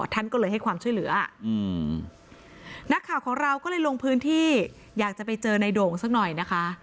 ท่านก็เลยให้ความช่วยเหลือนักข่าวของเราก็เลยลงพื้นที่อยากจะไปเจอในโด่งสักหน่อยนะคะ